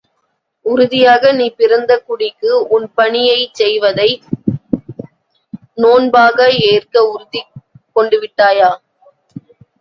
உறுதியாக நீ பிறந்த குடிக்கு உன் பணியைச் செய்வதை நோன்பாக ஏற்க உறுதி கொண்டுவிட்டாயா?